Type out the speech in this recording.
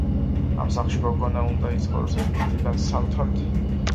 ამ სახლში, გოგონა უნდა იცხოვროს ერთიდან სამ თვემდე.